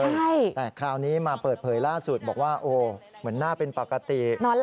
ใช่แต่คราวนี้มาเปิดเผยล่าสุดบอกว่าโอ้เหมือนหน้าเป็นปกติ